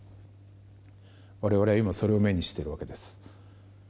我々は今、それを目にしているわけです。